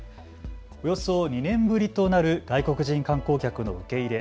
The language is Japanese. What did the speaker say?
およそ２年ぶりとなる外国人観光客の受け入れ。